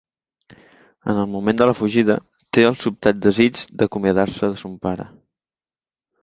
En el moment de la fugida té el sobtat desig d'acomiadar-se de son pare.